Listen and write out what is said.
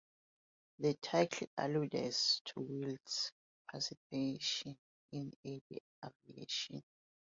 The title alludes to Will's participation in early aviation.